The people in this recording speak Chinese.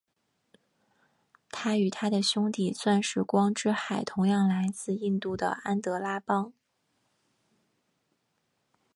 它与它的兄弟钻石光之海同样来自印度的安德拉邦。